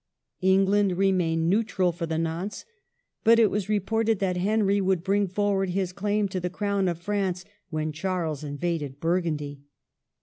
England remained neutral for the nonce ; but it was reported that Henry would bring forward his claim to the crown of France when Charles invaded Burgundy.